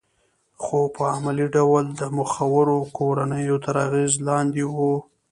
خو په عملي ډول د مخورو کورنیو تر اغېز لاندې وه